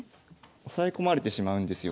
押さえ込まれてしまうんですよ